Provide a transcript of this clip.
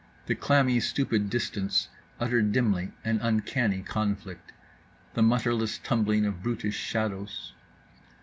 The clammy stupid distance uttered dimly an uncanny conflict—the mutterless tumbling of brutish shadows.